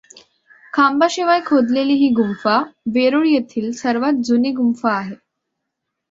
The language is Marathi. खांबाशिवाय खोदलेली ही गुंफा वेरूळ येथील सर्वात जुनी गुंफा आहे.